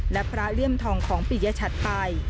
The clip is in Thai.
และพระเลี่ยมทองของปิยชัดไป